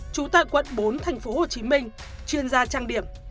trú tại quận bốn tp hcm chuyên gia trang điểm